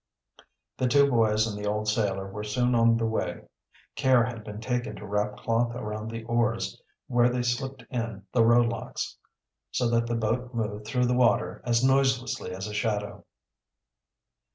The two boys and the old sailor were soon on the way. Care had been taken to wrap cloth around the oars where they slipped in the row locks, so that the boat moved through the water, as noiselessly as a shadow.